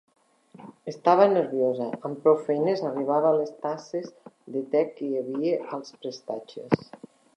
Estava nerviosa; amb prou feines arribava a les tasses de te que hi havia als prestatges.